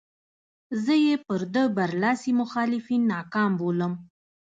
زه یې پر ده برلاسي مخالفین ناکام بولم.